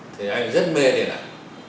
thì anh rất mê thế này